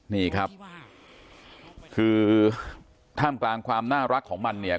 นี่ครับคือท่ามกลางความน่ารักของมันเนี่ย